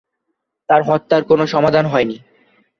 তার হত্যার কোনো সমাধান হয়নি।